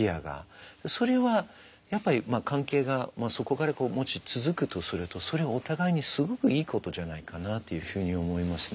それはやっぱり関係がそこからもし続くとするとそれお互いにすごくいいことじゃないかなっていうふうに思いますね。